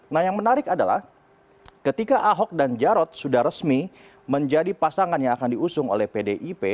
nah yang menarik adalah ketika ahok dan jarod sudah resmi menjadi pasangan yang akan diusung oleh pdip